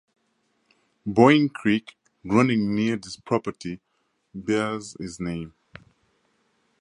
Boeing Creek running near this property bears his name.